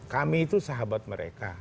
kami itu sahabat mereka